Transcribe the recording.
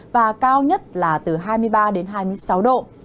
và cao nhất là từ hai mươi ba đến hai mươi sáu độ